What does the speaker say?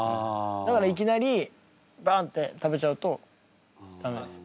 だからいきなりバンって食べちゃうとダメなんです。